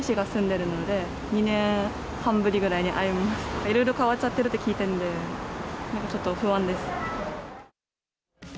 いろいろ変わっちゃってるって聞いてるんで、なんかちょっと不安です。